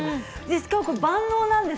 しかも万能なんです。